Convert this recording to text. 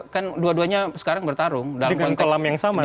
kan dua duanya sekarang bertarung dalam konteks di kolam yang sama itu